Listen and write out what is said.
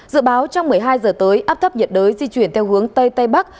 dự báo trong một mươi hai giờ tới áp thấp nhiệt đới di chuyển theo hướng tây tây bắc